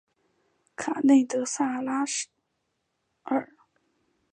卡内德萨拉尔。